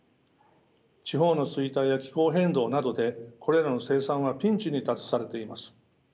地方の衰退や気候変動などでこれらの生産はピンチに立たされています。